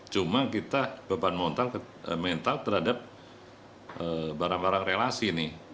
cuma kita beban mental terhadap barang barang relasi nih